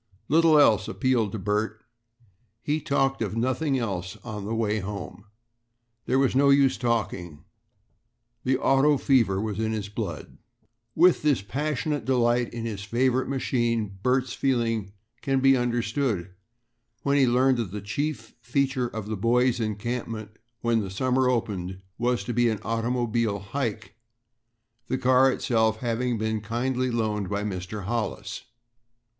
Little else appealed to Bert; he talked of nothing else on the way home. There was no use talking, the "auto fever" was in his blood. With this passionate delight in his favorite machine, Bert's feeling can be understood when he learned that the chief feature of the boys' encampment when the summer opened was to be an automobile "hike," the car itself having been kindly loaned by Mr. Hollis.